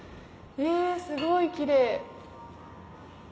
すごいキレイ。